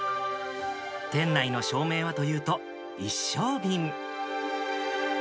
店内の照明はというと、一升瓶。